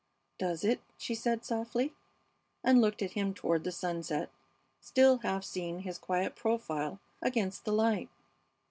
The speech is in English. "Does it?" she said, softly, and looked with him toward the sunset, still half seeing his quiet profile against the light.